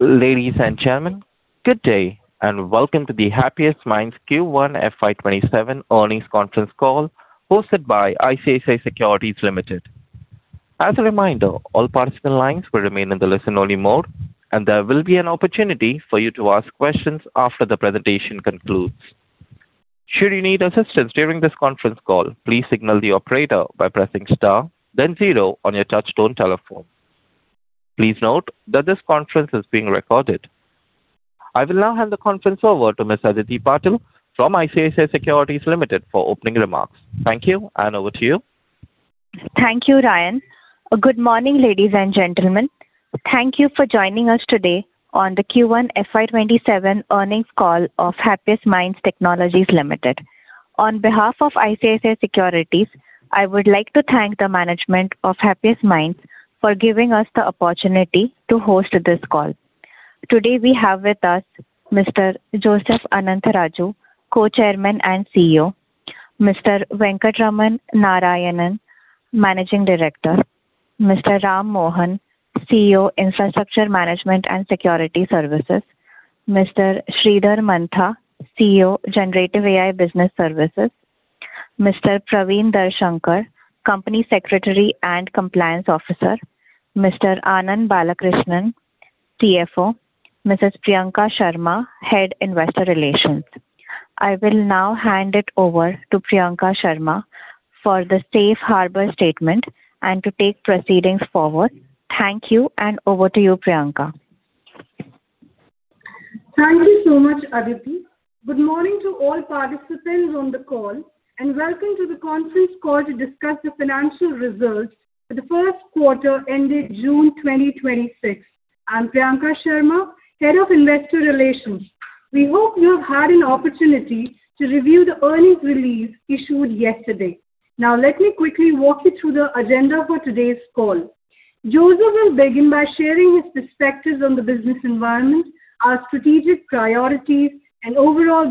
Ladies and gentlemen, good day, and welcome to the Happiest Minds Q1 FY 2027 earnings conference call hosted by ICICI Securities Limited. As a reminder, all participant lines will remain in the listen-only mode, and there will be an opportunity for you to ask questions after the presentation concludes. Should you need assistance during this conference call, please signal the operator by pressing star then zero on your touch-tone telephone. Please note that this conference is being recorded. I will now hand the conference over to Ms. Aditi Patil from ICICI Securities Limited for opening remarks. Thank you, and over to you. Thank you, Ryan. Good morning, ladies and gentlemen. Thank you for joining us today on the Q1 FY 2027 earnings call of Happiest Minds Technologies Limited. On behalf of ICICI Securities, I would like to thank the management of Happiest Minds for giving us the opportunity to host this call. Today, we have with us Mr. Joseph Anantharaju, Co-Chairman and CEO; Mr. Venkatraman Narayanan, Managing Director; Mr. Ram Mohan, CEO, Infrastructure Management and Security Services; Mr. Sridhar Mantha, CEO, Generative AI Business Services; Mr. Praveen Darshankar, Company Secretary and Compliance Officer; Mr. Anand Balakrishnan, CFO; Mrs. Priyanka Sharma, Head, Investor Relations. I will now hand it over to Priyanka Sharma for the safe harbor statement and to take proceedings forward. Thank you, and over to you, Priyanka. Thank you so much, Aditi. Good morning to all participants on the call, welcome to the conference call to discuss the financial results for the first quarter ended June 2026. I'm Priyanka Sharma, Head of Investor Relations. We hope you have had an opportunity to review the earnings release issued yesterday. Let me quickly walk you through the agenda for today's call. Joseph will begin by sharing his perspectives on the business environment, our strategic priorities, and overall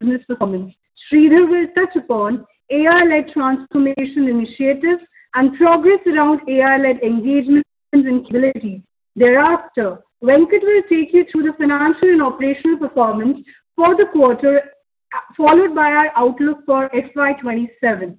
business performance. Sridhar will touch upon AI-led transformation initiatives and progress around AI-led engagement and capabilities. Thereafter, Venkat will take you through the financial and operational performance for the quarter, followed by our outlook for FY 2027.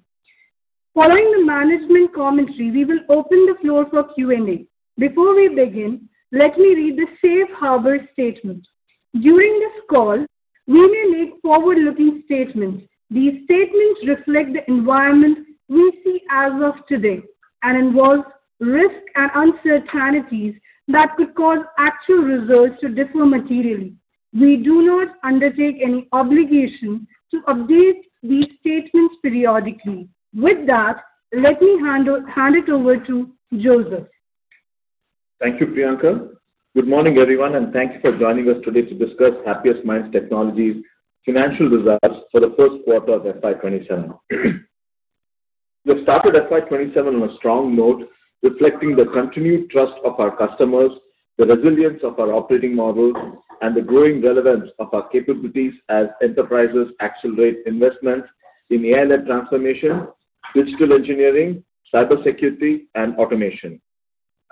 Following the management commentary, we will open the floor for Q&A. Before we begin, let me read the safe harbor statement. During this call, we may make forward-looking statements. These statements reflect the environment we see as of today and involve risks and uncertainties that could cause actual results to differ materially. We do not undertake any obligation to update these statements periodically. With that, let me hand it over to Joseph. Thank you, Priyanka. Good morning, everyone, and thanks for joining us today to discuss Happiest Minds Technologies' financial results for the first quarter of FY 2027. We've started FY 2027 on a strong note, reflecting the continued trust of our customers, the resilience of our operating model, and the growing relevance of our capabilities as enterprises accelerate investments in AI-led transformation, digital engineering, cybersecurity, and automation.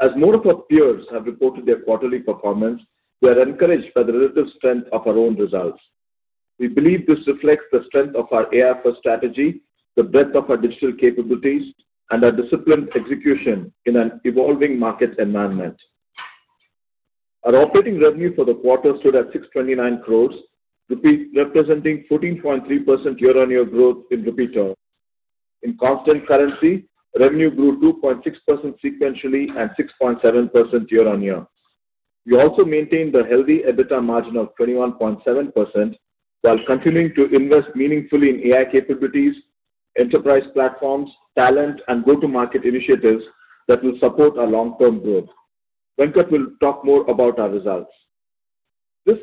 As more of our peers have reported their quarterly performance, we are encouraged by the relative strength of our own results. We believe this reflects the strength of our AI-first strategy, the breadth of our digital capabilities, and our disciplined execution in an evolving market environment. Our operating revenue for the quarter stood at 629 crores, representing 14.3% year-on-year growth. In constant currency, revenue grew 2.6% sequentially and 6.7% year-on-year. We also maintained a healthy EBITDA margin of 21.7% while continuing to invest meaningfully in AI capabilities, enterprise platforms, talent, and go-to-market initiatives that will support our long-term growth. Venkat will talk more about our results. This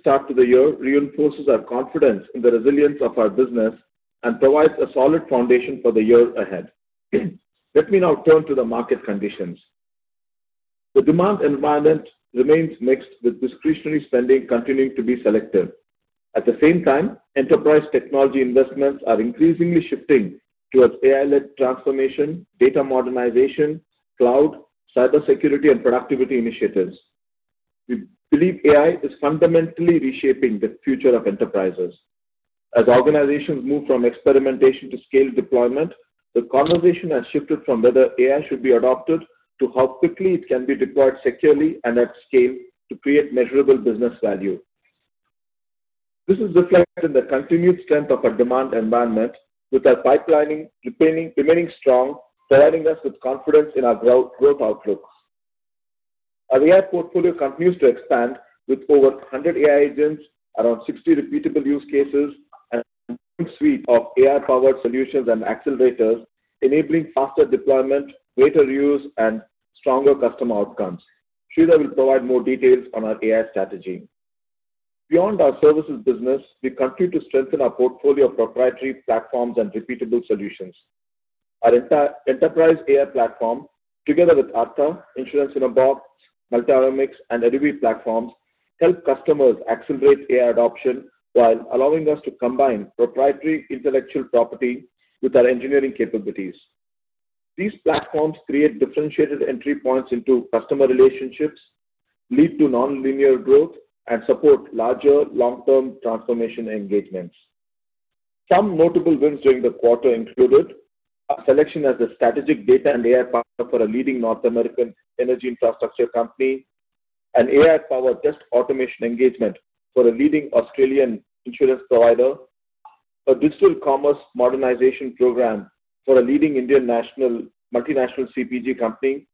start to the year reinforces our confidence in the resilience of our business and provides a solid foundation for the year ahead. Let me now turn to the market conditions. The demand environment remains mixed, with discretionary spending continuing to be selective. At the same time, enterprise technology investments are increasingly shifting towards AI-led transformation, data modernization, cloud, cybersecurity, and productivity initiatives. We believe AI is fundamentally reshaping the future of enterprises. As organizations move from experimentation to scaled deployment, the conversation has shifted from whether AI should be adopted to how quickly it can be deployed securely and at scale to create measurable business value. This is reflected in the continued strength of our demand environment, with our pipelining remaining strong, providing us with confidence in our growth outlooks. Our AI portfolio continues to expand, with over 100 AI agents, around 60 repeatable use cases, and a growing suite of AI-powered solutions and accelerators enabling faster deployment, greater reuse, and stronger customer outcomes. Sridhar will provide more details on our AI strategy. Beyond our services business, we continue to strengthen our portfolio of proprietary platforms and repeatable solutions. Our entire enterprise AI platform, together with Arttha, Insurance in a Box, Multi-omics, and EduWeave platforms help customers accelerate AI adoption while allowing us to combine proprietary intellectual property with our engineering capabilities. These platforms create differentiated entry points into customer relationships, lead to nonlinear growth, and support larger long-term transformation engagements. Some notable wins during the quarter included our selection as a strategic data and AI partner for a leading North American energy infrastructure company, an AI-powered test automation engagement for a leading Australian insurance provider, a digital commerce modernization program for a leading Indian multinational CPG company,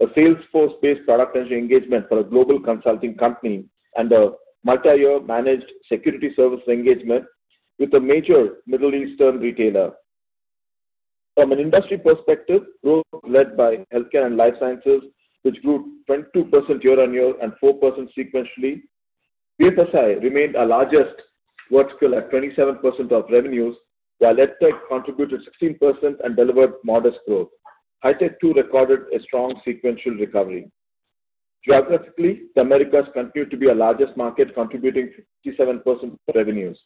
a Salesforce-based product engineering engagement for a global consulting company, and a multi-year managed security service engagement with a major Middle Eastern retailer. From an industry perspective, growth led by healthcare and life sciences, which grew 22% year-on-year and 4% sequentially. BFSI remained our largest vertical at 27% of revenues, while Edu Tech contributed 16% and delivered modest growth. Hi Tech too recorded a strong sequential recovery. Geographically, the Americas continued to be our largest market, contributing 57% of revenues.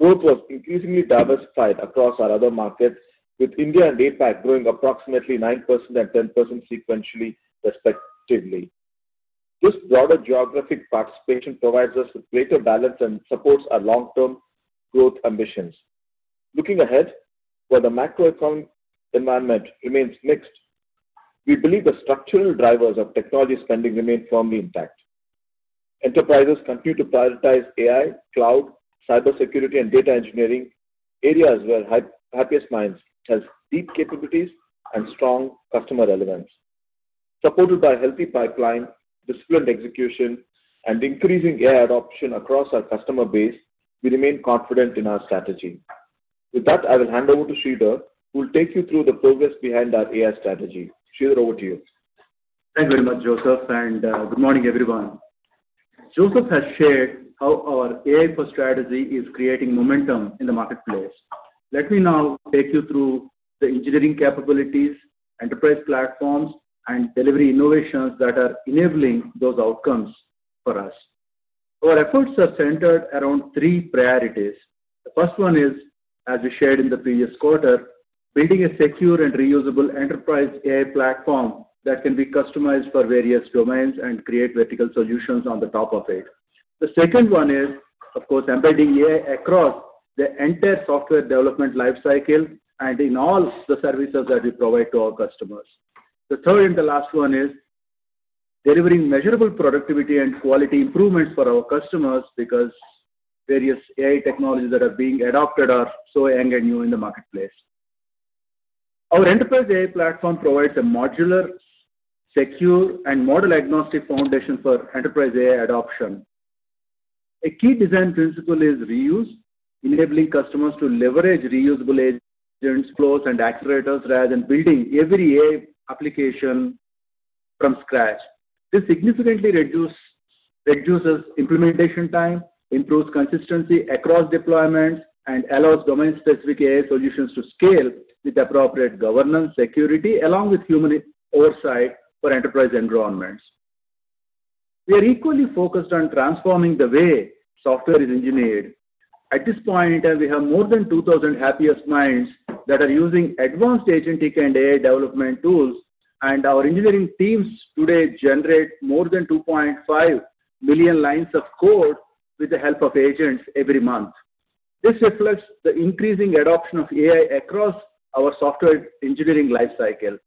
Growth was increasingly diversified across our other markets, with India and APAC growing approximately 9% and 10% sequentially, respectively. This broader geographic participation provides us with greater balance and supports our long-term growth ambitions. Looking ahead, while the macroeconomy environment remains mixed, we believe the structural drivers of technology spending remain firmly intact. Enterprises continue to prioritize AI, cloud, cybersecurity, and data engineering, areas where Happiest Minds has deep capabilities and strong customer relevance. Supported by a healthy pipeline, disciplined execution, and increasing AI adoption across our customer base, we remain confident in our strategy. With that, I will hand over to Sridhar, who will take you through the progress behind our AI strategy. Sridhar, over to you. Thank you very much, Joseph, and good morning, everyone. Joseph has shared how our AI-first strategy is creating momentum in the marketplace. Let me now take you through the engineering capabilities, enterprise platforms, and delivery innovations that are enabling those outcomes for us. Our efforts are centered around three priorities. The first one is, as we shared in the previous quarter, building a secure and reusable enterprise AI platform that can be customized for various domains and create vertical solutions on the top of it. The second one is, of course, embedding AI across the entire software development life cycle and in all the services that we provide to our customers. The third and the last one is delivering measurable productivity and quality improvements for our customers because various AI technologies that are being adopted are so young and new in the marketplace. Our enterprise AI platform provides a modular, secure, and model-agnostic foundation for enterprise AI adoption. A key design principle is reuse, enabling customers to leverage reusable agent flows and accelerators rather than building every AI application from scratch. This significantly reduces implementation time, improves consistency across deployments, and allows domain-specific AI solutions to scale with appropriate governance security, along with human oversight for enterprise environments. We are equally focused on transforming the way software is engineered. At this point in time, we have more than 2,000 Happiest Minds that are using advanced agentic and AI development tools, and our engineering teams today generate more than 2.5 million lines of code with the help of agents every month. This reflects the increasing adoption of AI across our software engineering life cycle.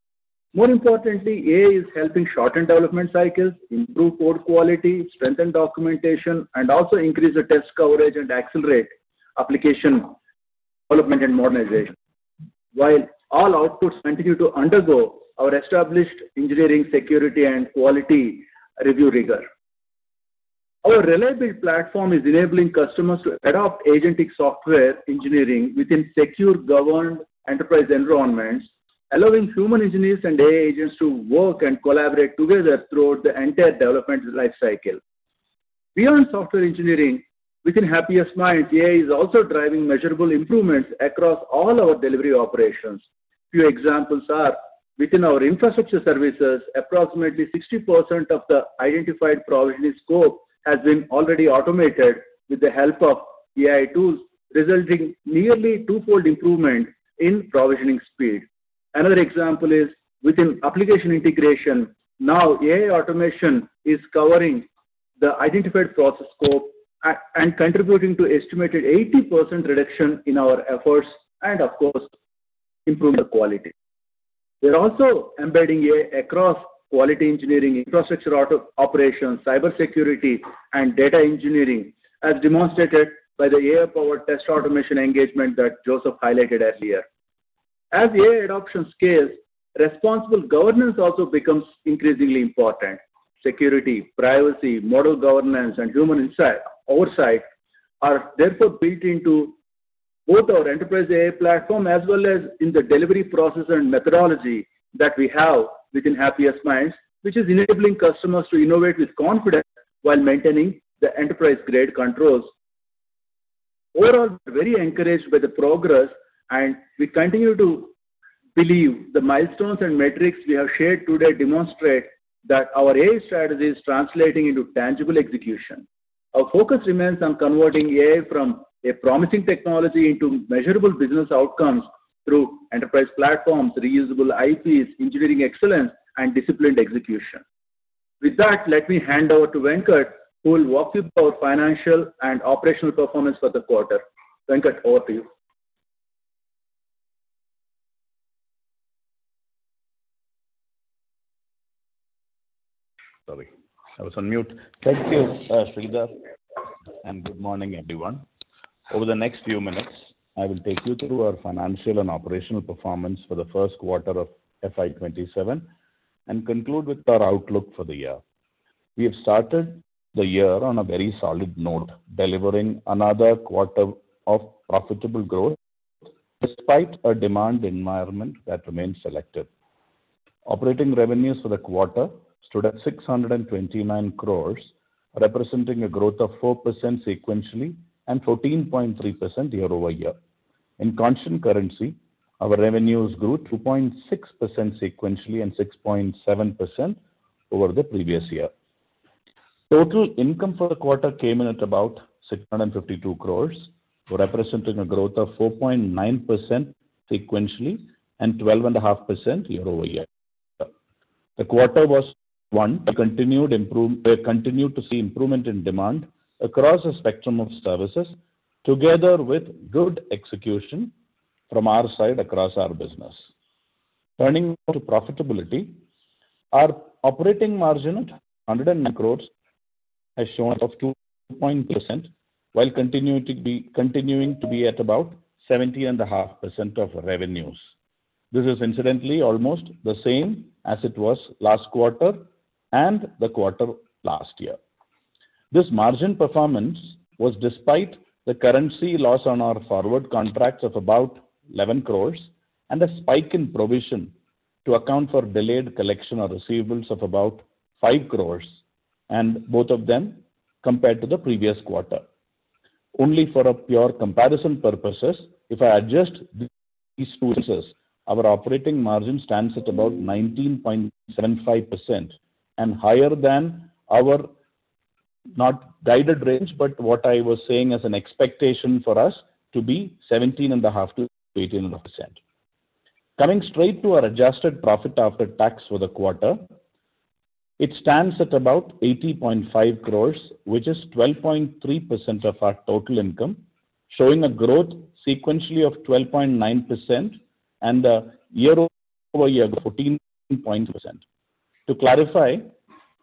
More importantly, AI is helping shorten development cycles, improve code quality, strengthen documentation, and also increase the test coverage and accelerate application development and modernization. While all outputs continue to undergo our established engineering, security, and quality review rigor. Our reliable platform is enabling customers to adopt agentic software engineering within secure, governed enterprise environments, allowing human engineers and AI agents to work and collaborate together throughout the entire development life cycle. Beyond software engineering, within Happiest Minds, AI is also driving measurable improvements across all our delivery operations. Few examples are within our infrastructure services, approximately 60% of the identified provisioning scope has been already automated with the help of AI tools, resulting nearly twofold improvement in provisioning speed. Another example is within application integration, now AI automation is covering the identified process scope and contributing to estimated 80% reduction in our efforts and of course, improve the quality. We are also embedding AI across quality engineering, infrastructure operations, cybersecurity, and data engineering, as demonstrated by the AI-powered test automation engagement that Joseph highlighted earlier. As AI adoption scales, responsible governance also becomes increasingly important. Security, privacy, model governance, and human oversight are therefore built into both our enterprise AI platform as well as in the delivery process and methodology that we have within Happiest Minds, which is enabling customers to innovate with confidence while maintaining the enterprise-grade controls. Overall, we are very encouraged by the progress, and we continue to believe the milestones and metrics we have shared today demonstrate that our AI strategy is translating into tangible execution. Our focus remains on converting AI from a promising technology into measurable business outcomes through enterprise platforms, reusable IPs, engineering excellence, and disciplined execution. With that, let me hand over to Venkat, who will walk you through our financial and operational performance for the quarter. Venkat, over to you. Sorry, I was on mute. Thank you, Sridhar, and good morning, everyone. Over the next few minutes, I will take you through our financial and operational performance for the first quarter of FY 2027 and conclude with our outlook for the year. We have started the year on a very solid note, delivering another quarter of profitable growth despite a demand environment that remains selective. Operating revenues for the quarter stood at 629 crores, representing a growth of 4% sequentially and 14.3% year-over-year. In constant currency, our revenues grew 2.6% sequentially and 6.7% over the previous year. Total income for the quarter came in at about 652 crores, representing a growth of 4.9% sequentially and 12.5% year-over-year. The quarter was one we continued to see improvement in demand across a spectrum of services, together with good execution from our side across our business. Turning to profitability, our operating margin at 109 crores has shown up 2.32% while continuing to be at about 17.5% of revenues. This is incidentally almost the same as it was last quarter and the quarter last year. This margin performance was despite the currency loss on our forward contracts of about 11 crores and a spike in provision to account for delayed collection of receivables of about 5 crores, and both of them compared to the previous quarter. Only for pure comparison purposes, if I adjust these two instances, our operating margin stands at about 19.75% and higher than our, not guided range, but what I was saying as an expectation for us to be 17.5%-18.5%. Coming straight to our adjusted profit after tax for the quarter, it stands at about 80.5 crore, which is 12.3% of our total income, showing a growth sequentially of 12.9% and year-over-year of 14.7%. To clarify,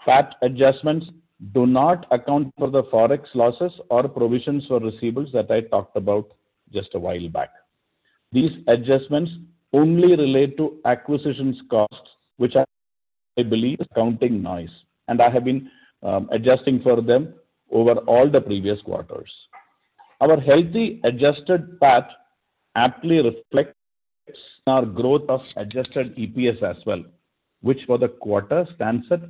PAT adjustments do not account for the forex losses or provisions for receivables that I talked about just a while back. These adjustments only relate to acquisition costs, which I believe is quite right, and I have been adjusting for them over all the previous quarters. Our healthy adjusted PAT aptly reflects our growth of adjusted EPS as well, which for the quarter stands at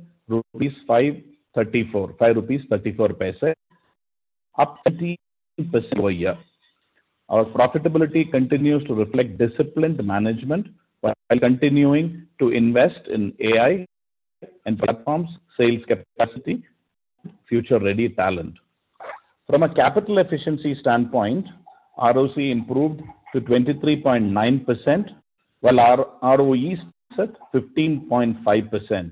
5.34 rupees, up 17.1% year-over-year. Our profitability continues to reflect disciplined management while continuing to invest in AI and platforms, sales capacity, future-ready talent. From a capital efficiency standpoint, ROCE improved to 23.9%, while our ROE stands at 15.5%,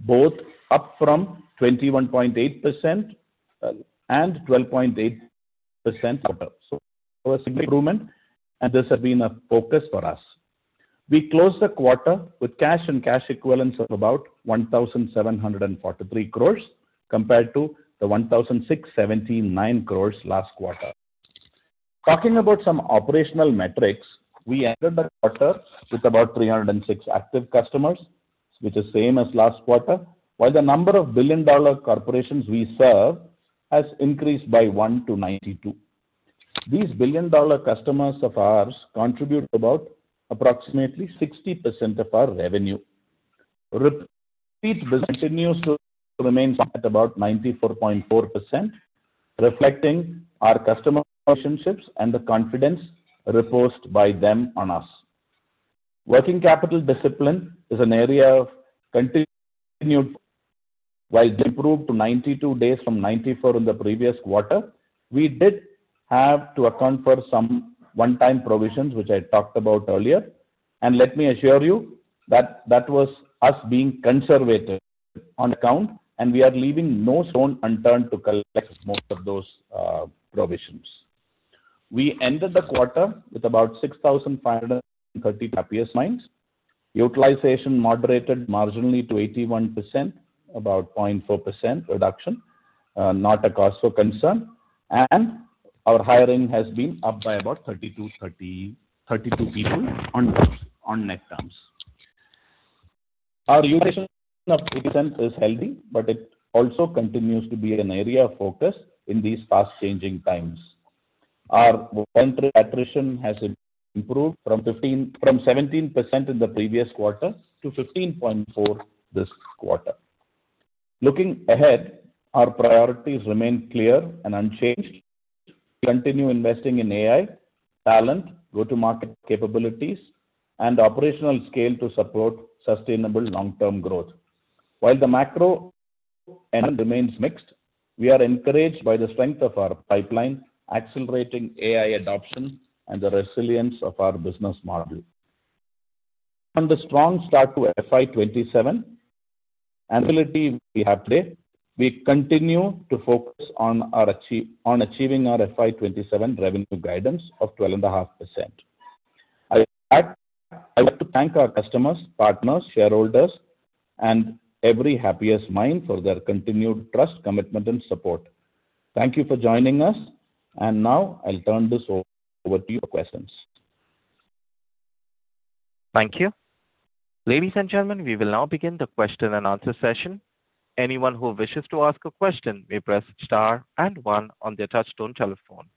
both up from 21.8% and 12.8% quarter-over-quarter. A significant improvement, and this has been a focus for us. We closed the quarter with cash and cash equivalents of about 1,743 crore compared to the 1,679 crore last quarter. Talking about some operational metrics, we ended the quarter with about 306 active customers, which is the same as last quarter, while the number of billion-dollar corporations we serve has increased by one to 92. These billion-dollar customers of ours contribute about approximately 60% of our revenue. Repeat business continues to remain at about 94.4%, reflecting our customer relationships and the confidence reposed by them on us. Working capital discipline is an area of continued [inaudible] and improved to 92 days from 94 days in the previous quarter. We did have to account for some one-time provisions, which I talked about earlier, and let me assure you that that was us being conservative on account, and we are leaving no stone unturned to collect most of those provisions. We ended the quarter with about 6,530 Happiest Minds. Utilization moderated marginally to 81%, about 0.4% reduction, not a cause for concern. Our hiring has been up by about 32 people on net terms. Our utilization of 80% is healthy, but it also continues to be an area of focus in these fast-changing times. Our voluntary attrition has improved from 17% in the previous quarter to 15.4% this quarter. Looking ahead, our priorities remain clear and unchanged. Continue investing in AI, talent, go-to-market capabilities, and operational scale to support sustainable long-term growth. While the macro environment remains mixed, we are encouraged by the strength of our pipeline, accelerating AI adoption, and the resilience of our business model. From the strong start to FY 2027, [inaudible] we continue to focus on achieving our FY 2027 revenue guidance of 12.5%. I would like to thank our customers, partners, shareholders, and every Happiest Mind for their continued trust, commitment, and support. Thank you for joining us. Now, I'll turn this over to your questions. Thank you. Ladies and gentlemen, we will now begin the question-and-answer session. Anyone who wishes to ask a question may press star and one on their touch-tone telephone.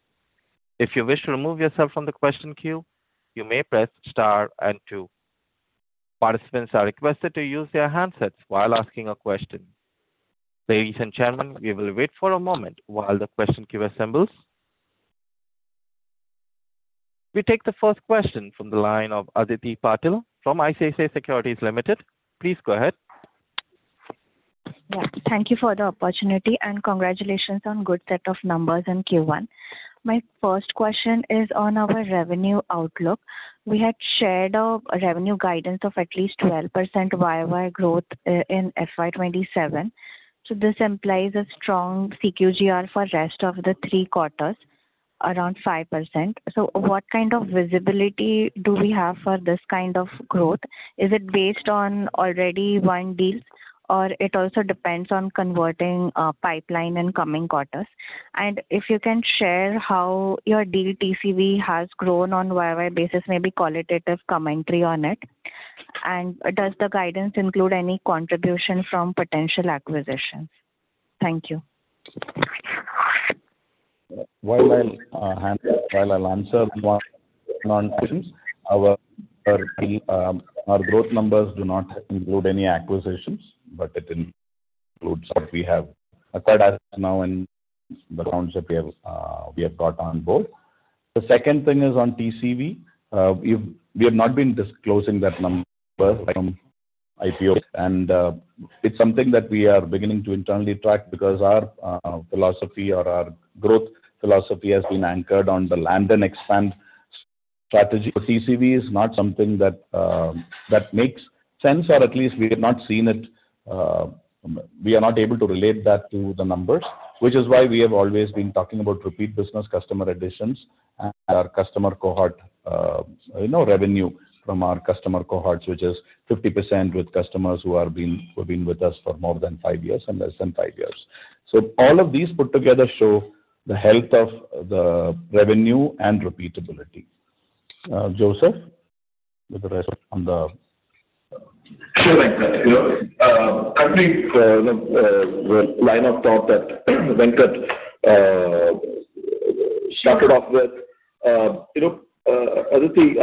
If you wish to remove yourself from the question queue, you may press star and two. Participants are requested to use their handsets while asking a question. Ladies and gentlemen, we will wait for a moment while the question queue assembles. We take the first question from the line of Aditi Patil from ICICI Securities Limited. Please go ahead. Thank you for the opportunity and congratulations on good set of numbers in Q1. My first question is on our revenue outlook. We had shared a revenue guidance of at least 12% Y-o-Y growth in FY 2027. This implies a strong CQGR for rest of the three quarters, around 5%. What kind of visibility do we have for this kind of growth? Is it based on already won deals or it also depends on converting pipeline in coming quarters? If you can share how your TCV has grown on Y-o-Y basis, maybe qualitative commentary on it. Does the guidance include any contribution from potential acquisitions? Thank you. While I'll answer your inquiries, our growth numbers do not include any acquisitions, but it includes what we have acquired as now and the rounds that we have brought on board. The second thing is on TCV. We have not been disclosing that number from IPO. It's something that we are beginning to internally track because our growth philosophy has been anchored on the land and expand strategy. TCV is not something that makes sense, or at least we have not seen it. We are not able to relate that to the numbers, which is why we have always been talking about repeat business customer additions and our customer cohort revenue from our customer cohorts, which is 50% with customers who have been with us for more than five years and less than five years. All of these put together show the health of the revenue and repeatability. Joseph, with the rest on the- Sure, Venkat. Aditi,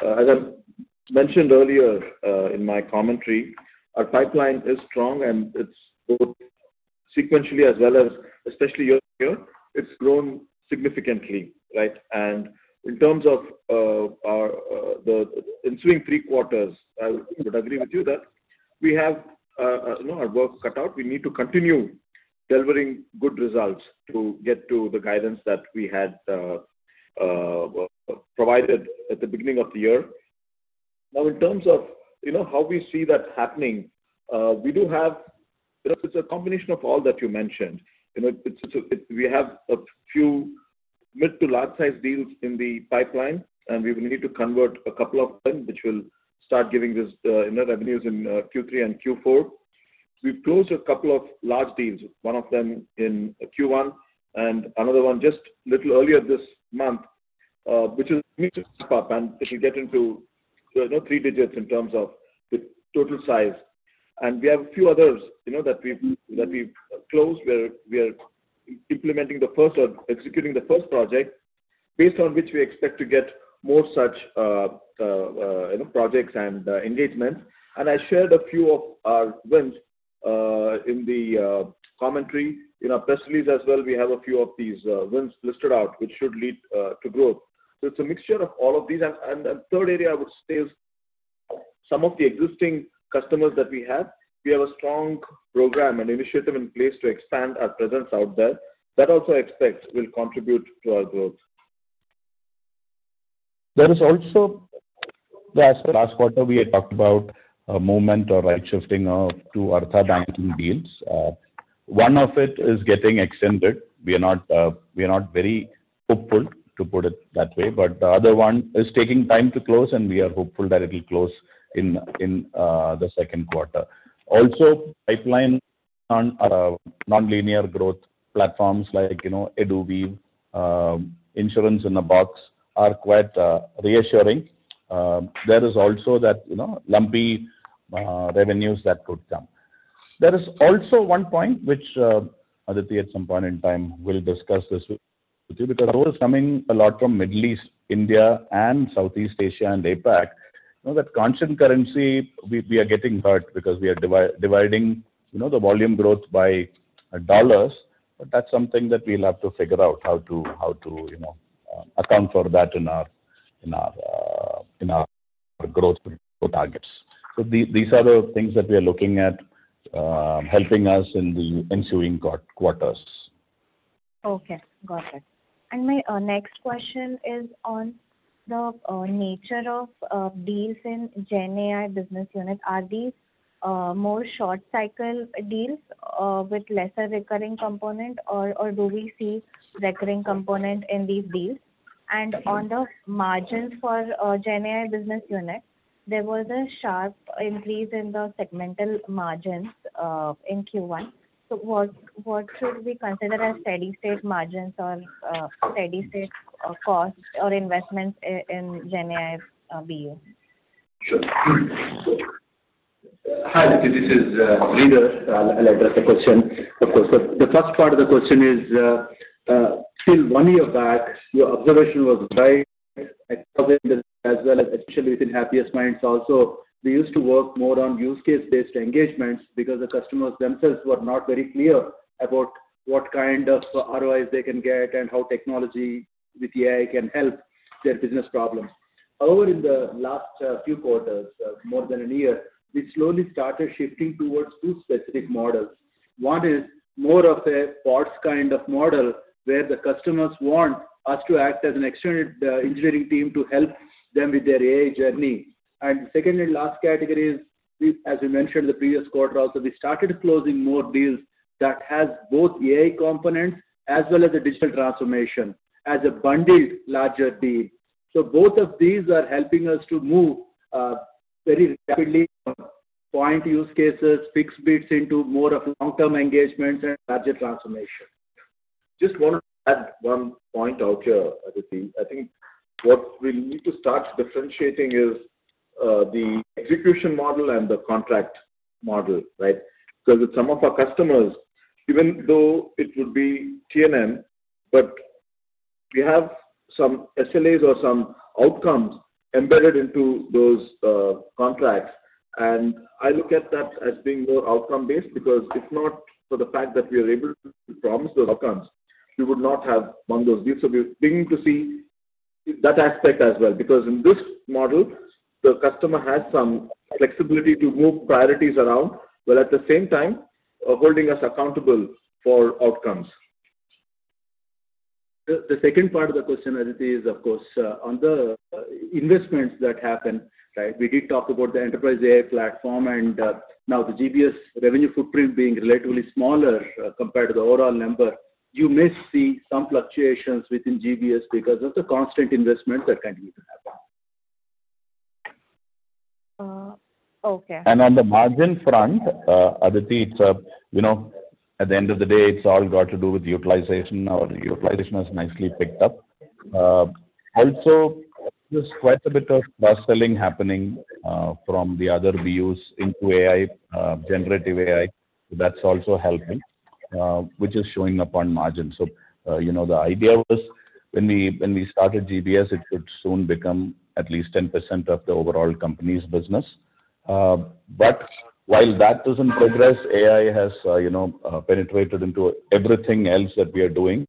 as I mentioned earlier in my commentary, our pipeline is strong and it's grown sequentially as well as especially year-over-year, it's grown significantly. In terms of the ensuing three quarters, I would agree with you that we have our work cut out. We need to continue delivering good results to get to the guidance that we had provided at the beginning of the year. In terms of how we see that happening, it's a combination of all that you mentioned. We have a few mid- to large-size deals in the pipeline, and we will need to convert a couple of them, which will start giving us net revenues in Q3 and Q4. We've closed a couple of large deals, one of them in Q1 and another one just little earlier this month which is up and it should get into three-digits in terms of the total size. We have a few others that we've closed where we are implementing the first or executing the first project based on which we expect to get more such projects and engagements. I shared a few of our wins in the commentary. In our press release as well, we have a few of these wins listed out, which should lead to growth. It's a mixture of all of these. Third area I would say is some of the existing customers that we have. We have a strong program and initiative in place to expand our presence out there. That also I expect will contribute to our growth. Last quarter we had talked about a movement or right shifting of two Arttha banking deals. One of it is getting extended. We are not very hopeful, to put it that way, but the other one is taking time to close and we are hopeful that it will close in the second quarter. Also, pipeline on our nonlinear growth platforms like EduWeave, Insurance in a Box are quite reassuring. There is also that lumpy revenues that could come. There is also one point which, Aditi, at some point in time will discuss this with you because those coming a lot from Middle East, India, Southeast Asia, and APAC. That constant currency, we are getting hurt because we are dividing the volume growth by dollars. That's something that we'll have to figure out how to account for that in our growth targets. These are the things that we are looking at helping us in the ensuing quarters. Got it. My next question is on the nature of deals in GenAI business unit. Are these more short-cycle deals with lesser recurring component, or do we see recurring component in these deals? On the margins for GenAI business unit, there was a sharp increase in the segmental margins in Q1. What should we consider as steady-state margins or steady-state costs or investments in GenAI BU? Sure. Hi, Aditi. This is Sridhar. I will address the question, of course. The first part of the question is, till one year back, your observation was right. At Publicis as well as actually within Happiest Minds also, we used to work more on use case-based engagements because the customers themselves were not very clear about what kind of ROIs they can get and how technology with AI can help their business problems. However, in the last few quarters, more than one year, we slowly started shifting towards two specific models. One is more of a PaaS kind of model, where the customers want us to act as an external engineering team to help them with their AI journey. The second and last category is, as we mentioned the previous quarter also, we started closing more deals that has both AI components as well as the digital transformation as a bundled larger deal. Both of these are helping us to move very rapidly from point use cases, fixed bids into more of long-term engagements and larger transformation. Just want to add one point out here, Aditi. I think what we will need to start differentiating is the execution model and the contract model. Because with some of our customers, even though it would be T&M, but we have some SLAs or some outcomes embedded into those contracts. I look at that as being more outcome-based, because if not for the fact that we are able to promise those outcomes, we would not have won those deals. We are beginning to see that aspect as well, because in this model, the customer has some flexibility to move priorities around, but at the same time holding us accountable for outcomes. The second part of the question, Aditi, is of course, on the investments that happen. We did talk about the enterprise AI platform and now the GBS revenue footprint being relatively smaller compared to the overall number. You may see some fluctuations within GBS because of the constant investments that continue to happen. On the margin front, Aditi, at the end of the day, it's all got to do with utilization. Our utilization has nicely picked up. Also, there's quite a bit of cross-selling happening from the other BUs into AI, Generative AI. That's also helping which is showing up on margin. The idea was when we started GBS, it could soon become at least 10% of the overall company's business. While that is in progress, AI has penetrated into everything else that we are doing.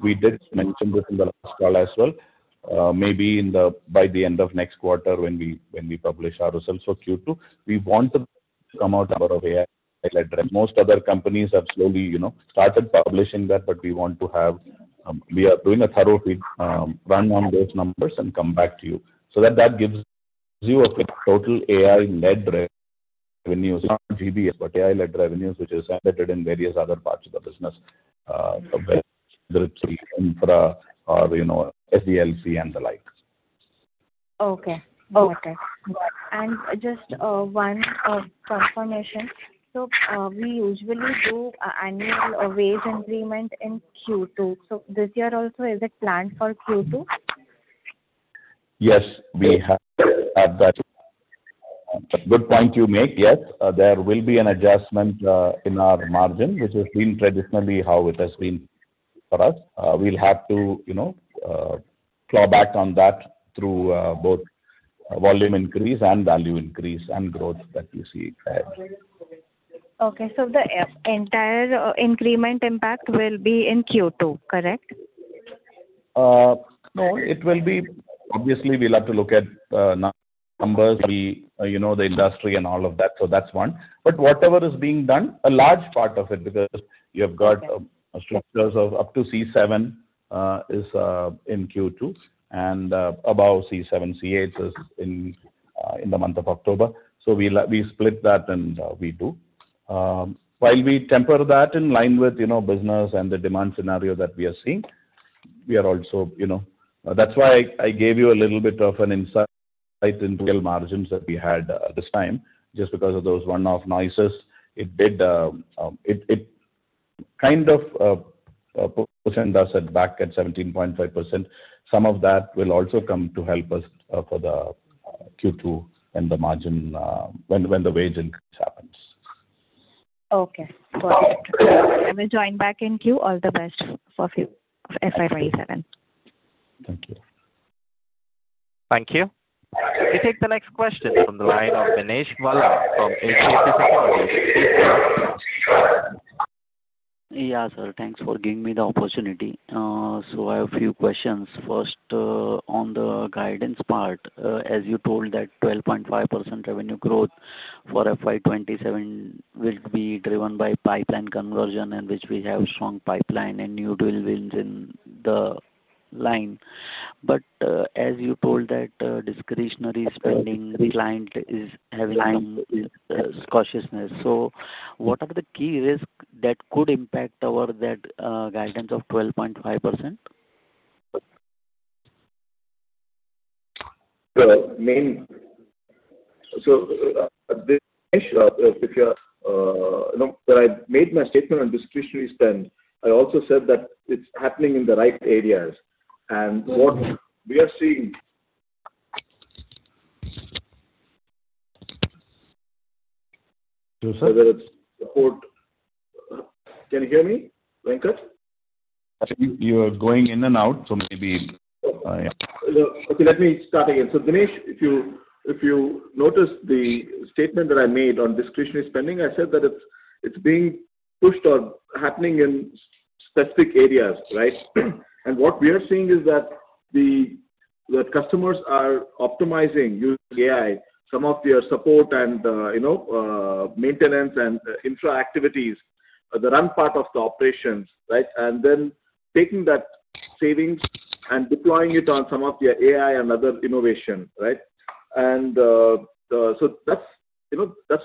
We did mention this in the last call as well. Maybe by the end of next quarter when we publish our results for Q2, we want to come out with our AI-led revenue. Most other companies have slowly started publishing that. We are doing a thorough run on those numbers and come back to you so that that gives you a total AI-led revenues, not GBS, but AI-led revenues, which is embedded in various other parts of the business, [inaudible] infra or SDLC and the like. Got it. Just one confirmation. We usually do annual wage increment in Q2. This year also, is it planned for Q2? Yes. We have that. Good point you make. Yes, there will be an adjustment in our margin, which has been traditionally how it has been for us. We'll have to claw back on that through both volume increase and value increase and growth that you see ahead. The entire increment impact will be in Q2, correct? No. Obviously, we'll have to look at numbers, the industry and all of that. That's one. Whatever is being done, a large part of it, because you have got structures of up to C7 is in Q2, and above C7, C8 is in the month of October. We split that, and we do, while we temper that in line with business and the demand scenario that we are seeing. That's why I gave you a little bit of an insight into real margins that we had this time, just because of those one-off noises. It kind of pushed us back at 17.5%. Some of that will also come to help us for the Q2 and the margin when the wage increase happens. Got it. I will join back in queue. All the best for FY 2027. Thank you. Thank you. We take the next question from the line of Vinesh Vala from HDFC Securities. Thanks for giving me the opportunity. I have a few questions. First, on the guidance part, as you told that 12.5% revenue growth for FY 2027 will be driven by pipeline conversion, in which we have strong pipeline and new deal wins in the line. As you told that discretionary spending client is having some cautiousness. What are the key risks that could impact over that guidance of 12.5%? Vinesh, when I made my statement on discretionary spend, I also said that it's happening in the right areas. What we are seeing. [inaudible] Joseph. Whether it's support. [inaudible] Can you hear me, Venkat? You're going in and out. Let me start again. Vinesh, if you notice the statement that I made on discretionary spending, I said that it's being pushed or happening in specific areas. What we are seeing is that customers are optimizing using AI some of their support and maintenance and infra activities that aren't part of the operations. Then taking that savings and deploying it on some of their AI and other innovation. That's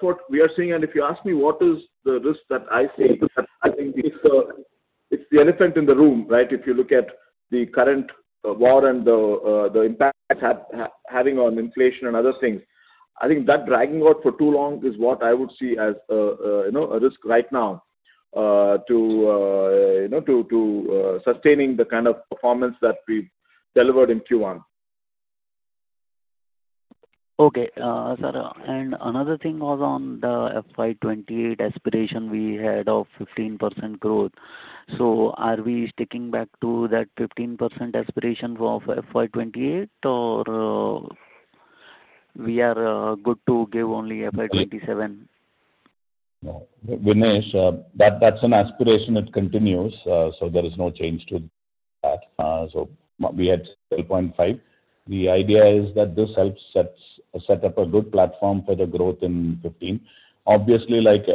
what we are seeing. If you ask me what is the risk that I see, I think it's the elephant in the room. If you look at the current war and the impact it's having on inflation and other things. I think that dragging out for too long is what I would see as a risk right now to sustaining the kind of performance that we delivered in Q1. Sir, another thing was on the FY 2028 aspiration we had of 15% growth. Are we sticking back to that 15% aspiration for FY 2028, or we are good to give only FY 2027? Vinesh, that's an aspiration, it continues. There is no change to that. We had 12.5%. The idea is that this helps set up a good platform for the growth in 15%. Obviously, like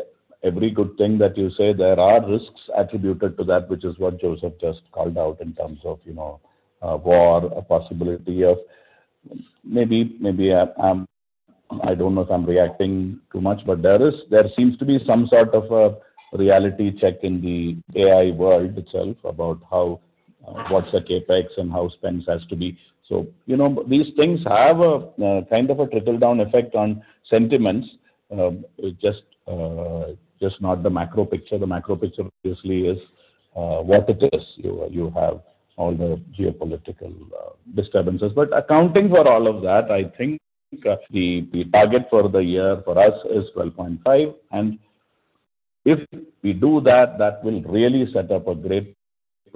every good thing that you say, there are risks attributed to that, which is what Joseph just called out in terms of war. [inaudible] Maybe I don't know if I'm reacting too much, but there seems to be some sort of a reality check in the AI world itself about what's the CapEx and how spends has to be. These things have a kind of a trickle-down effect on sentiments. Just not the macro picture. The macro picture obviously is what it is. You have all the geopolitical disturbances. Accounting for all of that, I think the target for the year for us is 12.5%, and if we do that, that will really set up a great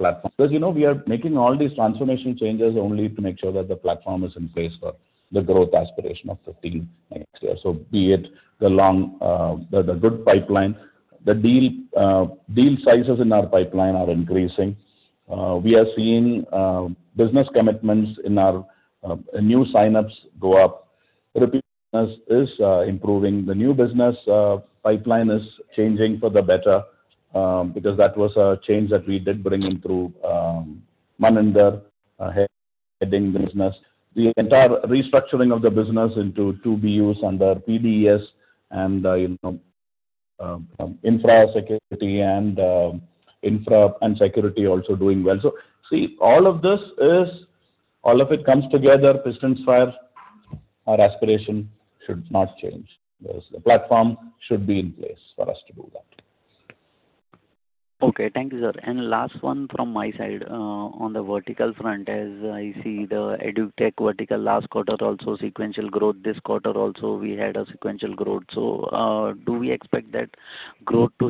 platform. We are making all these transformation changes only to make sure that the platform is in place for the growth aspiration of 15% in 2028. Be it the good pipeline. The deal sizes in our pipeline are increasing. We are seeing business commitments and our new sign-ups go up. Repeat business is improving. The new business pipeline is changing for the better, because that was a change that we did bring in through Maninder heading business. The entire restructuring of the business into two BUs under PDES and Infra and security also doing well. See, all of it comes together pistons fire. Our aspiration should not change. The platform should be in place for us to do that. Thank you, sir. Last one from my side. On the vertical front, as I see the Edu Tech vertical last quarter also sequential growth. This quarter also, we had a sequential growth. Do we expect that growth to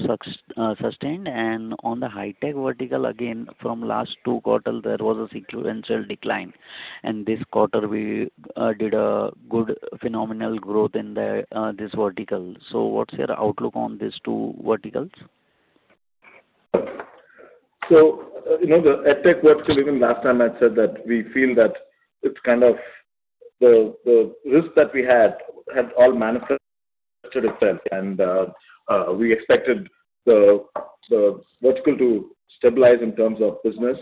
sustain? On the HiTech vertical, again, from last two quarters, there was a sequential decline, and this quarter we did a good phenomenal growth in this vertical. What's your outlook on these two verticals? The Edu Tech vertical, even last time I said that we feel that it's kind of the risk that we had all manifested itself, we expected the vertical to stabilize in terms of business.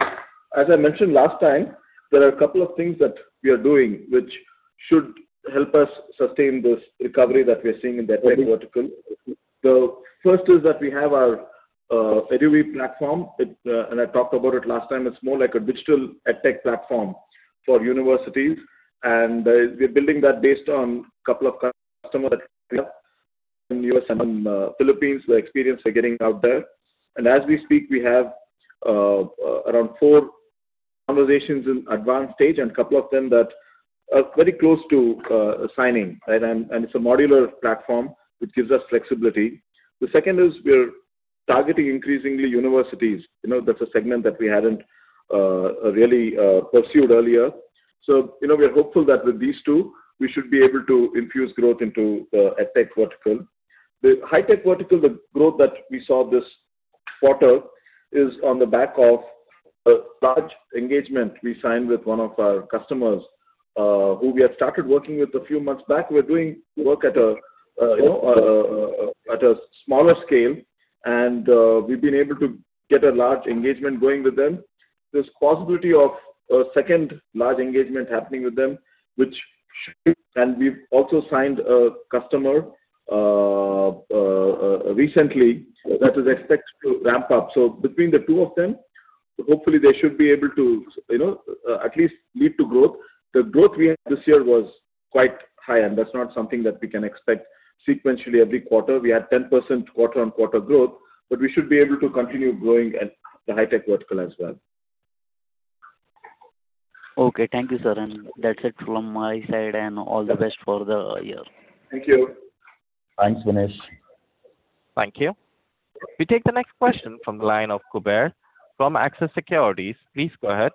As I mentioned last time, there are a couple of things that we are doing which should help us sustain this recovery that we're seeing in that Edu Tech vertical. The first is that we have our EduWeave platform. I talked about it last time. It's more like a digital Edu Tech platform for universities, and we're building that based on couple of customers in U.S. and Philippines. The experience we're getting out there. As we speak, we have around four conversations in advanced stage and a couple of them that are very close to signing. It's a modular platform, which gives us flexibility. The second is we're targeting increasingly universities. That's a segment that we hadn't really pursued earlier. We are hopeful that with these two, we should be able to infuse growth into the Edu Tech vertical. The HiTech vertical, the growth that we saw this quarter is on the back of a large engagement we signed with one of our customers, who we had started working with a few months back. We're doing work at a smaller scale, and we've been able to get a large engagement going with them. There's possibility of a second large engagement happening with them, which should. [inaudible] We've also signed a customer recently that is expected to ramp up. Between the two of them, hopefully they should be able to at least lead to growth. The growth we had this year was quite high, and that's not something that we can expect sequentially every quarter. We had 10% quarter-on-quarter growth. We should be able to continue growing at the HiTech vertical as well. Thank you, sir. That's it from my side, and all the best for the year. Thank you. Thanks, Vinesh. Thank you. We take the next question from the line of Kuber from Axis Securities. Please go ahead.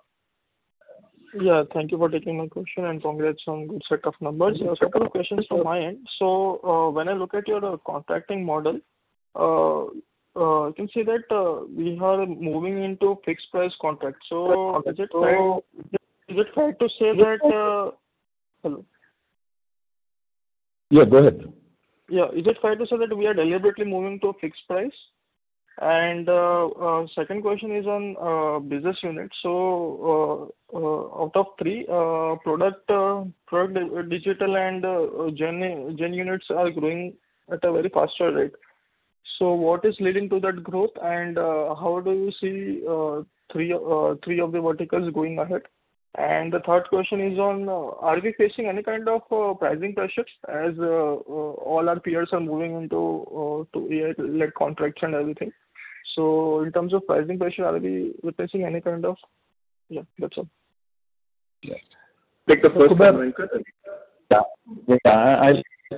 Thank you for taking my question and congrats on good set of numbers. A couple of questions from my end. When I look at your contracting model, I can see that we are moving into fixed price contracts. Is it fair to say—Hello? Go ahead. Is it fair to say that we are deliberately moving to a fixed price? Second question is on business units. Out of three product, digital and gen units are growing at a very faster rate. What is leading to that growth, and how do you see three of the verticals going ahead? The third question is, are we facing any kind of pricing pressures as all our peers are moving into AI-led contracts and everything? That's all. Take the first one, Venkat.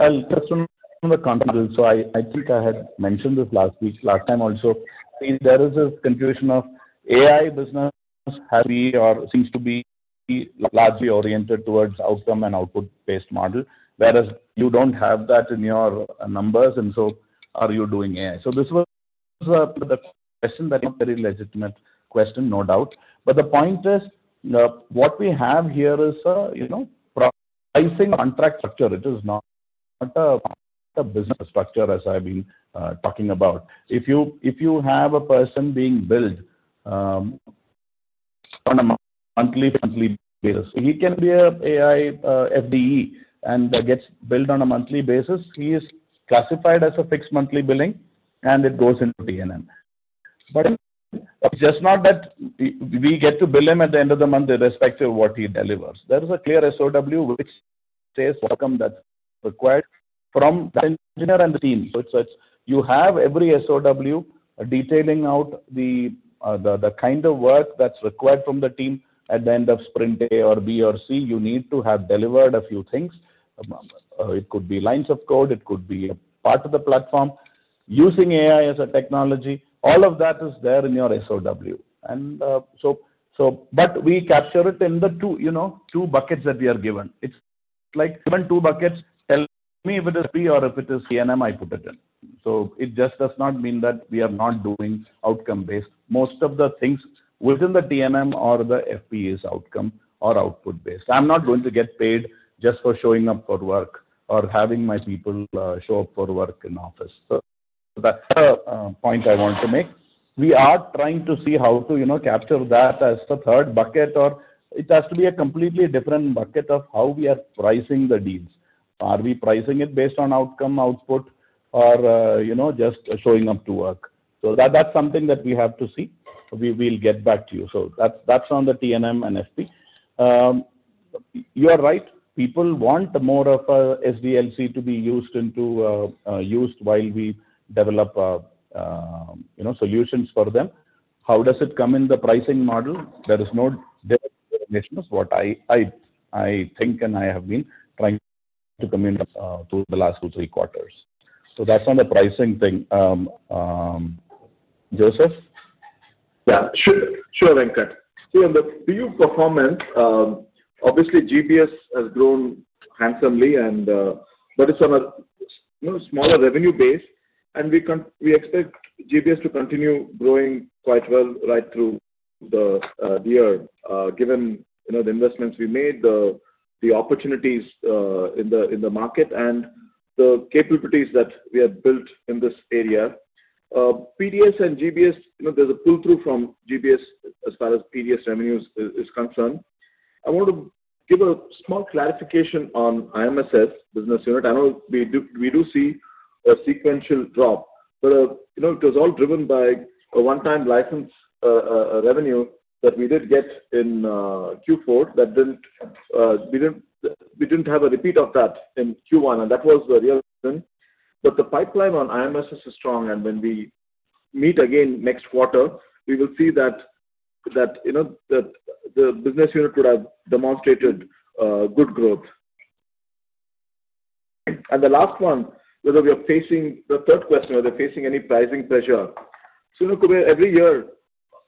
I'll touch on the contract bill. I think I had mentioned this last time also. There is this conclusion of AI business has been or seems to be largely oriented towards outcome and output-based model, whereas you don't have that in your numbers and so are you doing AI? This was the question. A very legitimate question, no doubt. The point is, what we have here is a pricing contract structure. It is not a business structure as I've been talking about. If you have a person being billed on a monthly basis, he can be an AI FDE and gets billed on a monthly basis. He is classified as a fixed monthly billing, and it goes into T&M. It's just not that we get to bill him at the end of the month irrespective of what he delivers. There is a clear SOW which says the outcome that's required from that engineer and the team. You have every SOW detailing out the kind of work that's required from the team at the end of sprint A or B or C. You need to have delivered a few things. It could be lines of code, it could be a part of the platform using AI as a technology. All of that is there in your SOW. We capture it in the two buckets that we are given. It's like given two buckets, tell me if it is FP or if it is T&M, I put it in. It just does not mean that we are not doing outcome-based. Most of the things within the T&M or the FP is outcome or output-based. I'm not going to get paid just for showing up for work or having my people show up for work in office. That's the point I want to make. We are trying to see how to capture that as the third bucket, or it has to be a completely different bucket of how we are pricing the deals. Are we pricing it based on outcome, output or just showing up to work? That's something that we have to see. We will get back to you. That's on the T&M and FP. You are right, people want more of a SDLC to be used while we develop solutions for them. How does it come in the pricing model? There is no [inaudible] I think and I have been trying to communicate through the last two, three quarters. That's on the pricing thing. Joseph? Sure, Venkat. On the BU performance, obviously GBS has grown handsomely and that is on a smaller revenue base, and we expect GBS to continue growing quite well right through the year. Given the investments we made, the opportunities in the market and the capabilities that we have built in this area. PDES and GBS, there's a pull-through from GBS as far as PDES revenues is concerned. I want to give a small clarification on IMSS business unit. I know we do see a sequential drop. It was all driven by a one-time license revenue that we did get in Q4. We didn't have a repeat of that in Q1, and that was the real reason. The pipeline on IMSS is strong, and when we meet again next quarter, we will see that the business unit would have demonstrated good growth. The last one, the third question, are we facing any pricing pressure? Look, Kuber, every year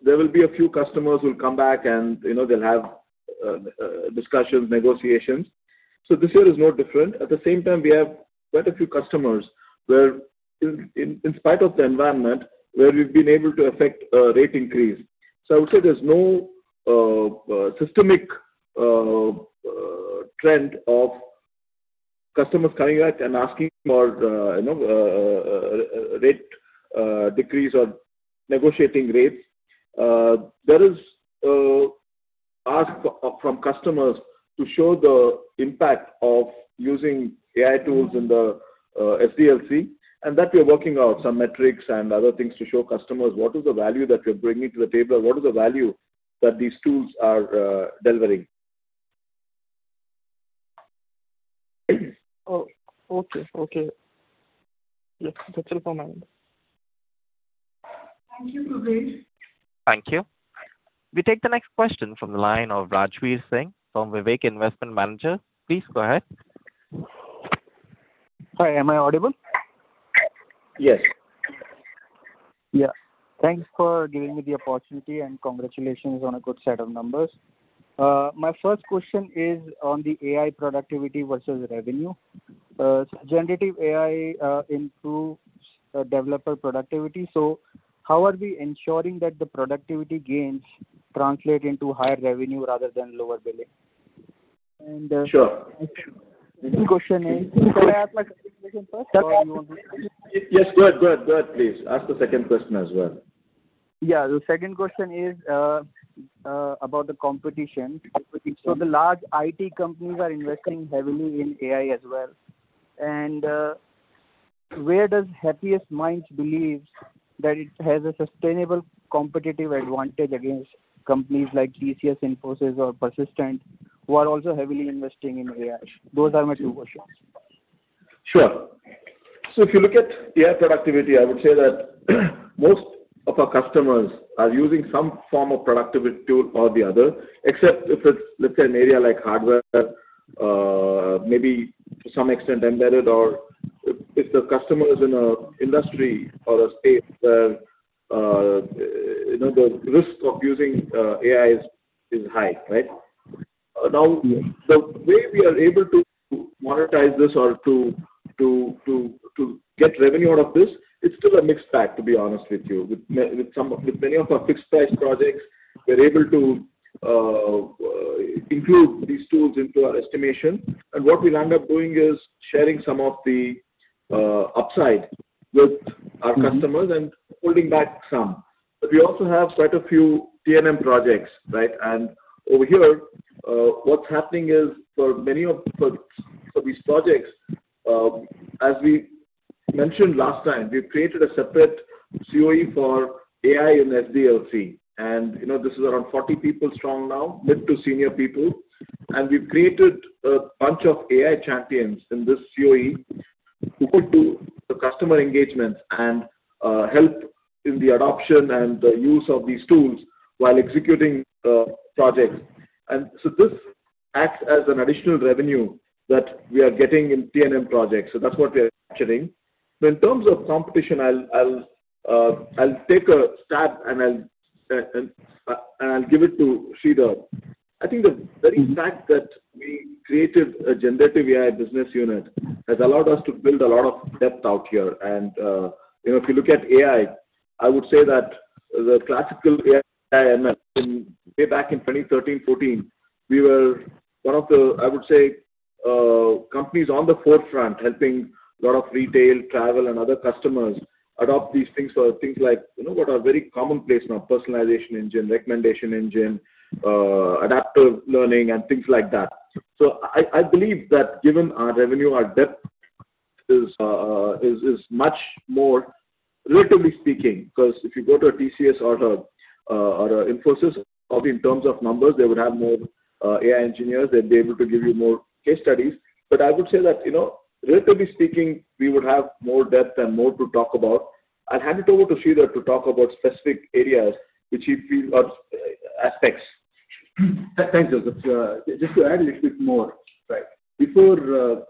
there will be a few customers who'll come back and they'll have discussions, negotiations. This year is no different. At the same time, we have quite a few customers where, in spite of the environment, we've been able to affect a rate increase. I would say there's no systemic trend of customers coming back and asking for a rate decrease or negotiating rates. There is ask from customers to show the impact of using AI tools in the SDLC, and that we are working out some metrics and other things to show customers what is the value that we're bringing to the table and what is the value that these tools are delivering. That's it for my end. Thank you, Kuber. Thank you. We take the next question from the line of [Rajveer Singh] from [Vivek Investment Manager]. Please go ahead. Hi, am I audible? Yes. Thanks for giving me the opportunity, and congratulations on a good set of numbers. My first question is on the AI productivity versus revenue. Generative AI improves developer productivity, so how are we ensuring that the productivity gains translate into higher revenue rather than lower billing? The second question is—Can I ask my second question first? Yes. Go ahead, please. Ask the second question as well. The second question is about the competition. The large IT companies are investing heavily in AI as well. Where does Happiest Minds believe that it has a sustainable competitive advantage against companies like TCS, Infosys or Persistent who are also heavily investing in AI? Those are my two questions. Sure. If you look at AI productivity, I would say that most of our customers are using some form of productivity tool or the other. Except if it's, let's say, an area like hardware, maybe to some extent embedded or if the customer is in a industry or a state where the risk of using AI is high. The way we are able to monetize this or to get revenue out of this, it's still a mixed bag, to be honest with you. With many of our fixed price projects, we're able to include these tools into our estimation. What we land up doing is sharing some of the upside with our customers and holding back some. We also have quite a few T&M projects. Over here, what's happening is for many of these projects, as we mentioned last time, we've created a separate CoE for AI and SDLC. This is around 40 people strong now, mid to senior people. We've created a bunch of AI champions in this CoE who could do the customer engagements and help in the adoption and the use of these tools while executing projects. This acts as an additional revenue that we are getting in T&M projects. That's what we are capturing. In terms of competition, I'll take a stab and I'll give it to Sridhar. I think the very fact that we created a generative AI business unit has allowed us to build a lot of depth out here. If you look at AI, I would say that the classical AI, way back in 2013, 2014, we were one of the, I would say, companies on the forefront helping a lot of retail, travel, and other customers adopt these things. Things like what are very commonplace now, personalization engine, recommendation engine, adaptive learning and things like that. I believe that given our revenue, our depth is much more, relatively speaking. If you go to a TCS or a Infosys, probably in terms of numbers, they would have more AI engineers. They'd be able to give you more case studies. I would say that, relatively speaking, we would have more depth and more to talk about. I'll hand it over to Sridhar to talk about specific areas which he feels are aspects. Thank you. Just to add a little bit more. Before the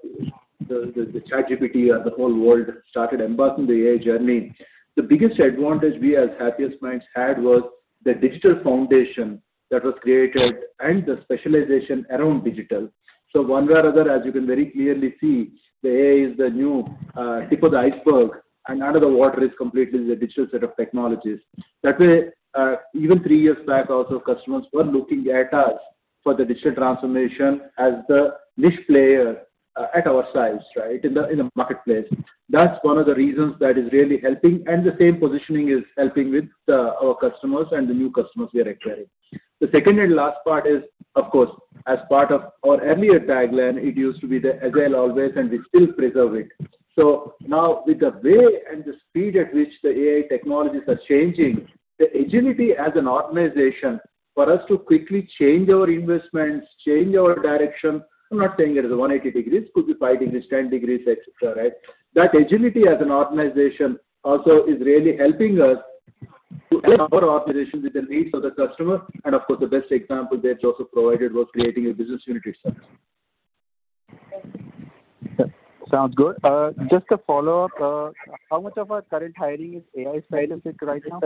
ChatGPT or the whole world started embarking the AI journey, the biggest advantage we as Happiest Minds had was the digital foundation that was created and the specialization around digital. One way or other, as you can very clearly see, the AI is the new tip of the iceberg, and under the water is completely the digital set of technologies. That way, even three years back also, customers were looking at us for the digital transformation as the niche player at our size in the marketplace. That is one of the reasons that is really helping, and the same positioning is helping with our customers and the new customers we are acquiring. The second and last part is, of course, as part of our earlier tagline. It used to be there as well always, and we still preserve it. Now, with the way and the speed at which the AI technologies are changing, the agility as an organization for us to quickly change our investments, change our direction. I am not saying it is 180 degrees. Could be five degrees, 10 degrees, et cetera. That agility as an organization also is really helping us to align our organization with the needs of the customer. Of course, the best example that Joseph provided was creating a business unit itself. Sounds good. Just a follow-up. How much of our current hiring is AI-specific right now?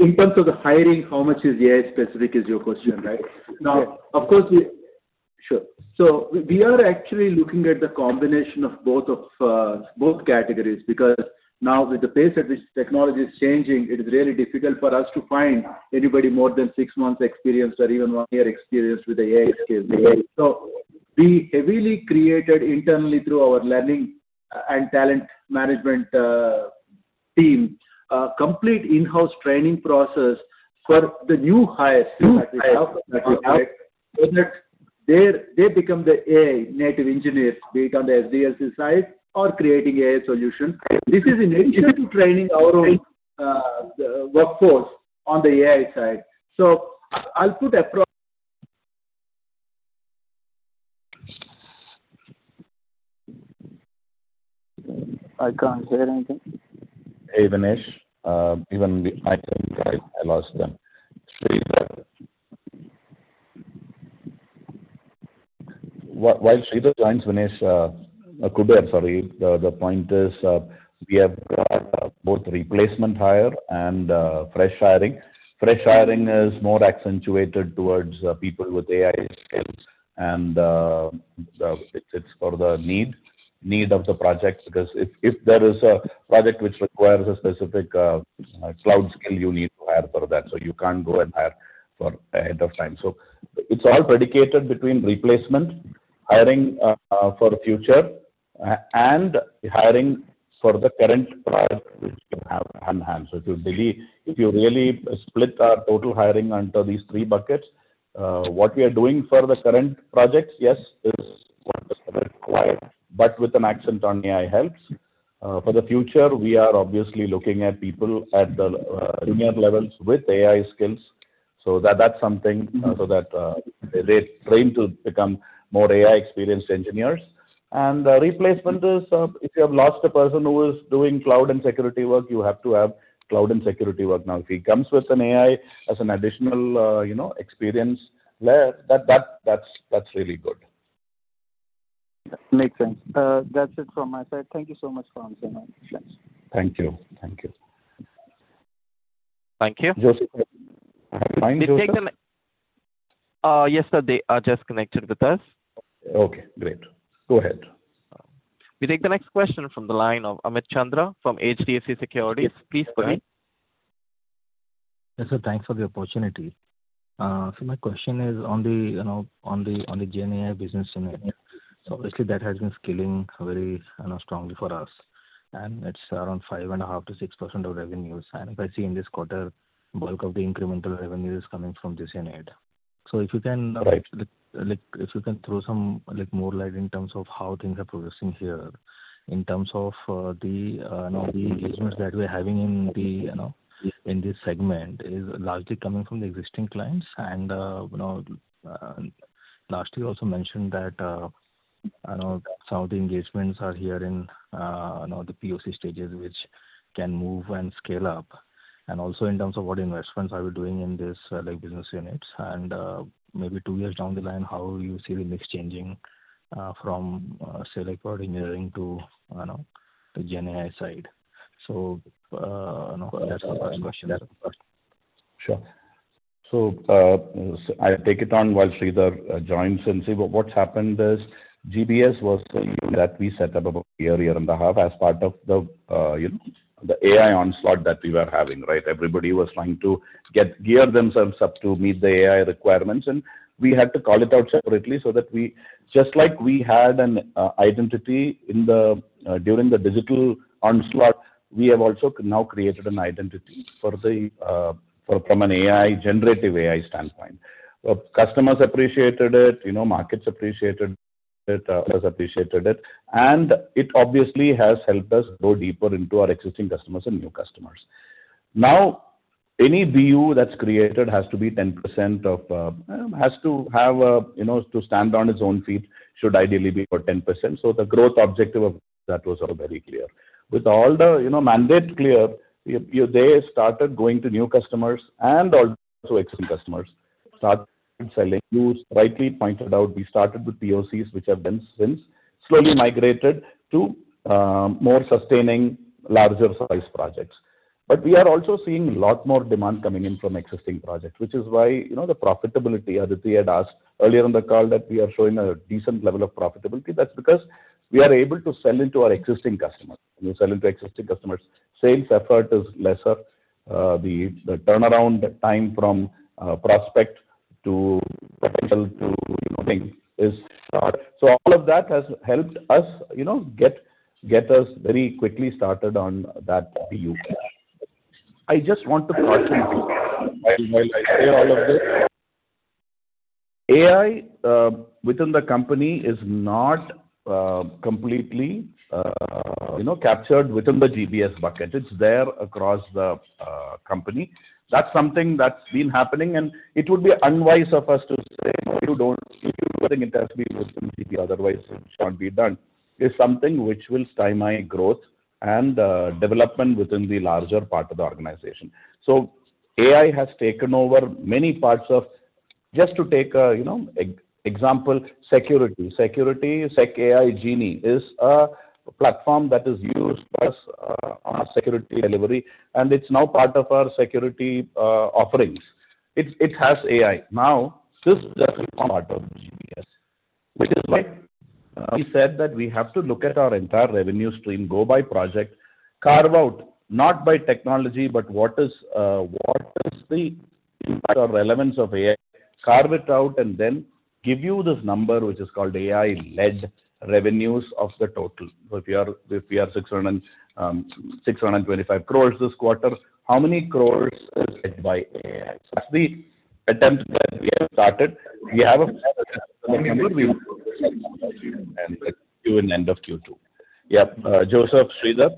In terms of the hiring, how much is AI-specific is your question, right? Yes. Sure. We are actually looking at the combination of both categories because now with the pace at which technology is changing, it is really difficult for us to find anybody more than six months experienced or even one year experienced with AI skills. We heavily created internally through our learning and talent management team, a complete in-house training process for the new hires that we have so that they become the AI native engineers, be it on the SDLC side or creating AI solution. This is in addition to training our own workforce on the AI side. I'll put. [inaudible] I can't hear anything. Hey, Vinesh. Even I lost them. While Sridhar joins, Vinesh—[Rajveer], I'm sorry. The point is, we have both replacement hire and fresh hiring. Fresh hiring is more accentuated towards people with AI skills and it's for the need of the projects because if there is a project which requires a specific cloud skill, you need to hire for that. You can't go and hire ahead of time. It's all predicated between replacement, hiring for the future, and hiring for the current project which we have on hand. If you really split our total hiring under these three buckets, what we are doing for the current projects, yes, is what is required, but with an accent on AI helps. For the future, we are obviously looking at people at the junior levels with AI skills. That's something that they train to become more AI-experienced engineers. Replacement is if you have lost a person who was doing cloud and security work, you have to have cloud and security work. If he comes with an AI as an additional experience there, that's really good. Makes sense. That's it from my side. Thank you so much for answering my questions. Thank you. Thank you. Joseph? Have you found Joseph? Yes, sir, they are just connected with us. Great. Go ahead. We take the next question from the line of Amit Chandra from HDFC Securities. Please go ahead. Yes, sir. Thanks for the opportunity. My question is on the GenAI business unit. Obviously that has been scaling very strongly for us, and it's around 5.5%-6% of revenues. If I see in this quarter, bulk of the incremental revenue is coming from this unit. If you can throw some more light in terms of how things are progressing here, in terms of the engagements that we're having in this segment is largely coming from the existing clients. Lastly, you also mentioned that some of the engagements are here in the POC stages, which can move and scale up. Also in terms of what investments are we doing in these business units. Maybe two years down the line, how you see the mix changing from say, like product engineering to the GenAI side. That's my first question. Sure. I'll take it on while Sridhar joins. What's happened is GBS was the unit that we set up about a year and a half as part of the AI onslaught that we were having. Everybody was trying to gear themselves up to meet the AI requirements, and we had to call it out separately. Just like we had an identity during the digital onslaught, we have also now created an identity from an generative AI standpoint. Customers appreciated it, markets appreciated it, investors appreciated it. It obviously has helped us go deeper into our existing customers and new customers. Now, any BU that's created has to stand on its own feet, should ideally be for 10%. The growth objective of that was all very clear. With all the mandate clear, they started going to new customers and also existing customers start selling. You rightly pointed out, we started with POCs, which have been since slowly migrated to more sustaining larger size projects. We are also seeing a lot more demand coming in from existing projects, which is why the profitability Aditi had asked earlier in the call that we are showing a decent level of profitability. That's because we are able to sell into our existing customers. When you sell into existing customers, sales effort is lesser. The turnaround time from prospect to potential to winning is short. All of that has helped us get us very quickly started on that BU. I just want to caution you while I say all of this, AI within the company is not completely captured within the GBS bucket. It's there across the company. That is something that has been happening, and it would be unwise of us to say, no, you don't. If you are doing it, it has to be within GBS otherwise it cannot be done. It is something which will stymie growth and development within the larger part of the organization. Just to take an example, security. Security, SecAIGenie is a platform that is used by us on our security delivery, and it is now part of our security offerings. It has AI. This does not form part of GBS, which is why we said that we have to look at our entire revenue stream, go by project, carve out not by technology but what is the impact or relevance of AI, carve it out, and then give you this number, which is called AI-led revenues of the total. If we are 625 crores this quarter, how many crores is led by AI? That is the attempt that we have started. We have a number we will give you by the end of Q2. Joseph. Sridhar.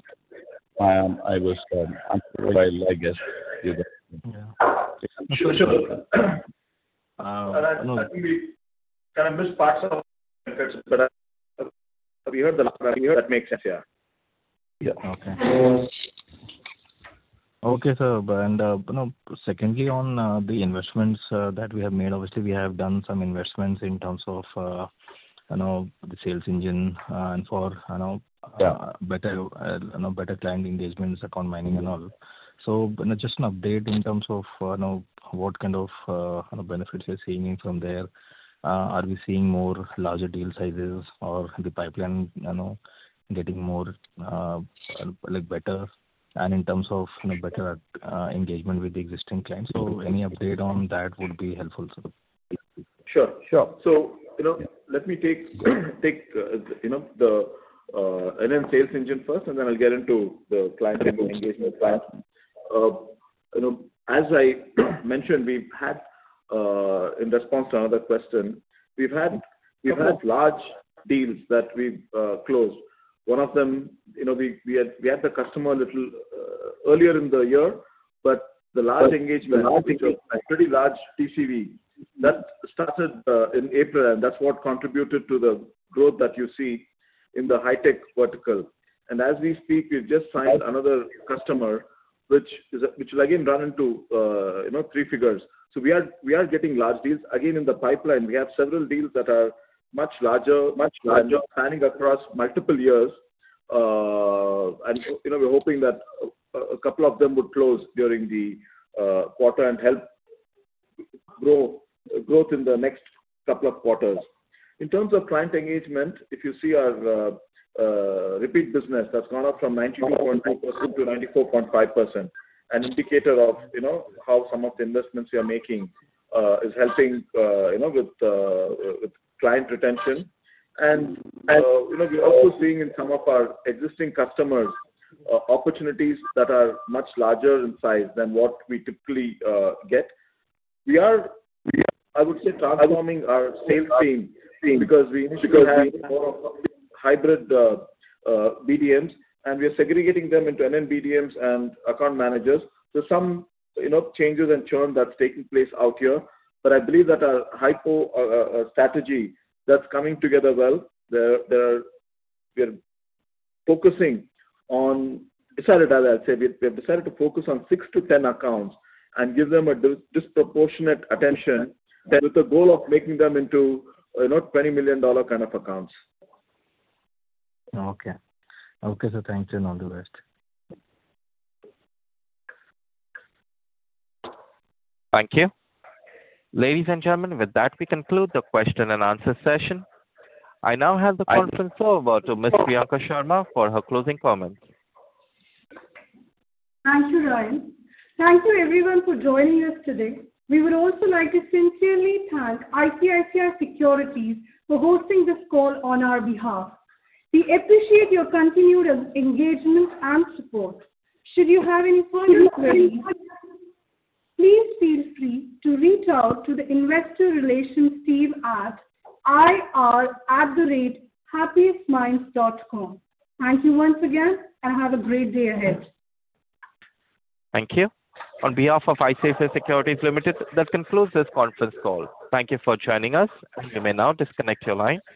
I was on mute, I guess. I think we missed parts of it, but I think we heard the last part. That makes sense. Secondly, on the investments that we have made. Obviously, we have done some investments in terms of the sales engine and for better client engagements, account mining and all. Just an update in terms of what kind of benefits you're seeing from there. Are we seeing more larger deal sizes or the pipeline getting better and in terms of better engagement with the existing clients? Any update on that would be helpful, sir. Sure. Let me take the NN sales engine first, then I'll get into the client engagement plan. As I mentioned, in response to another question, we've had large deals that we've closed. One of them, we had the customer a little earlier in the year, the large engagement, a pretty large TCV, that started in April, that's what contributed to the growth that you see in the HiTech vertical. As we speak, we've just signed another customer, which will again run into three figures. We are getting large deals. Again, in the pipeline, we have several deals that are much larger, spanning across multiple years. We're hoping that a couple of them would close during the quarter and help growth in the next couple of quarters. In terms of client engagement, if you see our repeat business, that's gone up from 92.2% to 94.5%, an indicator of how some of the investments we are making is helping with client retention. We're also seeing in some of our existing customers, opportunities that are much larger in size than what we typically get. We are, I would say, transforming our sales team because we initially had more of hybrid BDMs, and we are segregating them into NN BDMs and account managers. Some changes and churn that's taking place out here, but I believe that our strategy that's coming together well. We have decided to focus on six to 10 accounts and give them a disproportionate attention with the goal of making them into INR 20 million kind of accounts. Thanks. All the best. Thank you. Ladies and gentlemen, with that, we conclude the question-and-answer session. I now hand the conference over to Ms. Priyanka Sharma for her closing comments. Thank you, Ryan. Thank you everyone for joining us today. We would also like to sincerely thank ICICI Securities for hosting this call on our behalf. We appreciate your continued engagement and support. Should you have any further queries, please feel free to reach out to the investor relations team at ir@happiestminds.com. Thank you once again, and have a great day ahead. Thank you. On behalf of ICICI Securities Limited, that concludes this conference call. Thank you for joining us. You may now disconnect your line.